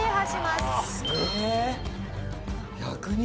すげえ。